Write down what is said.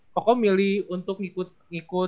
koko milih untuk ikut